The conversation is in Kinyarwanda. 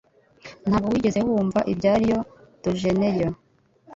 Ntabwo wigeze wumva ibya Rio de Janeiro?